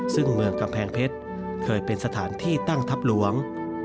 ซึ่งเมืองกำแพงเพชรเคยเป็นสถานที่ตั้งทัพหลวง